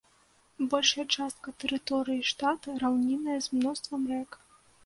Большая частка тэрыторыі штата раўнінная, з мноствам рэк.